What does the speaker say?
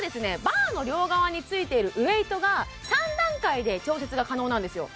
バーの両側についているウエイトが３段階で調節が可能なんですよ